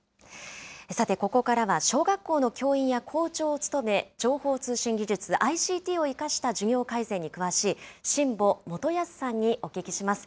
さて、ここからは小学校の教員や校長を務め、情報通信技術・ＩＣＴを生かした授業改善に詳しい、新保元康さんにお聞きします。